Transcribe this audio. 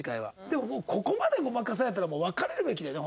でももうここまでごまかされたらもう別れるべきだよね